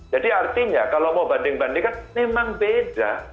jadi artinya kalau mau banding banding kan memang beda